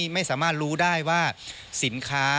ไม่สามารถรู้ได้ว่าสินค้า